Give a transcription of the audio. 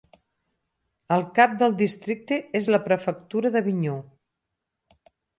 El cap del districte és la prefectura d'Avinyó.